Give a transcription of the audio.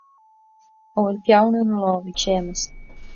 An bhfuil peann ina lámh ag Séamus